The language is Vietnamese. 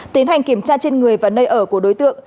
tiến hành kiểm tra trên người và nơi ở của đối tượng